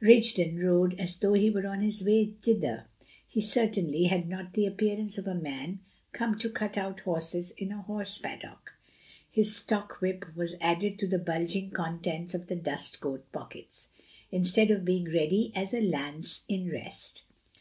Rigden rode as though he were on his way thither; he certainly had not the appearance of a man come to cut out horses in a horse paddock. His stock whip was added to the bulging contents of the dust coat pockets, instead of being ready as a lance in rest.